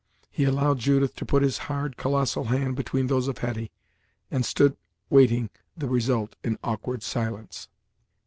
He allowed Judith to put his hard colossal hand between those of Hetty, and stood waiting the result in awkward silence.